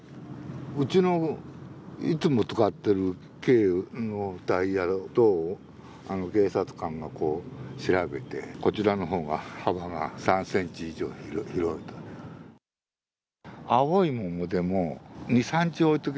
うちのいつも使っている軽のタイヤと、警察官が調べて、こちらのほうが幅が３センチ以上広いと。